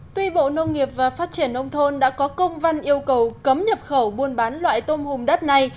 tuy bộ nông nghiệp và phát triển nông thôn đã có công văn yêu cầu cấm nhập khẩu buôn bán loại tôm hùm đất này